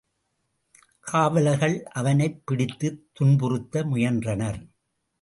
காவலர்கள் அவனைப் பிடித்துத் துன்புறுத்த முயன்றனர்.